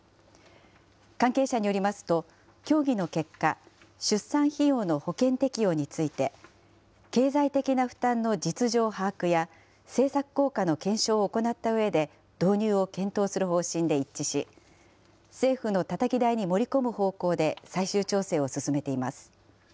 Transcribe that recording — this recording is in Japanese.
関係者によりますと、協議の結果、出産費用の保険適用について、経済的な負担の実情把握や、政策効果の検証を行ったうえで導入を検討する方針で一致し、政府のたたき台に盛り込む方向で最終調整を進めています。